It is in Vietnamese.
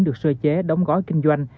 được sơ chế đóng gói kinh doanh